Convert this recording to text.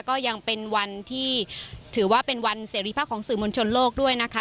ก็ยังเป็นวันที่ถือว่าเป็นวันเสรีภาพของสื่อมวลชนโลกด้วยนะคะ